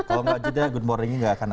kalau gak jeda good morningnya gak akan ada